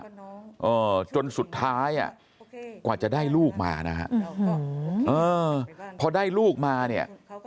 เออจนสุดท้ายอ่ะกว่าจะได้ลูกมานะฮะเออพอได้ลูกมาเนี่ย